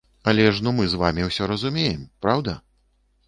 Але ж ну мы з вамі ўсё разумеем, праўда?